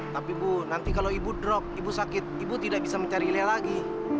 tapi bu nanti kalau ibu drop ibu sakit ibu tidak bisa mencari lea lagi